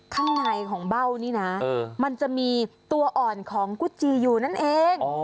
ข้างในของเบ้านี่นะมันจะมีตัวอ่อนของกุจจีอยู่นั่นเอง